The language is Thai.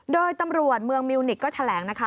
โดยตำรวจเมืองมิวนิกก็แถลงนะคะ